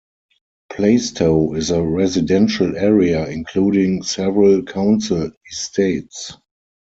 Plaistow is a residential area, including several council estates.